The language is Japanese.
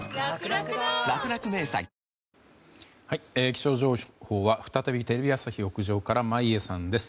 気象情報は再びテレビ朝日屋上から眞家さんです。